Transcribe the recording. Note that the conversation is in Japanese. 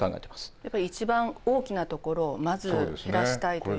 やっぱり一番大きなところをまず減らしたいということですよね。